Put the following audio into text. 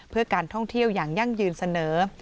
เพื่อการท่องเที่ยวอย่างยั่งยืนเสนอ